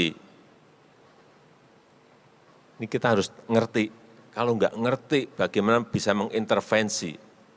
ini kita harus ngerti kalau nggak ngerti bagaimana bisa mengintervensi